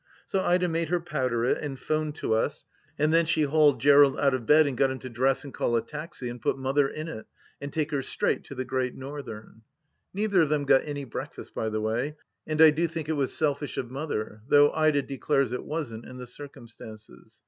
So Ida made her powder it and 'phone to us, and then she THE LAST DITCH 159 hauled Gerald out of bed and got him to dress and call a tax and put Mother in it and take her straight to the Great Northern. Neither of them got any brealdast, by the way ; and I do think it was selfish of Mother, though Ida declares it wasn't, in the circumstances.